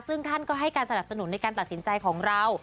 ซึ่งท่านก็ให้การสนับสนุนในการตัดสินใจของเรา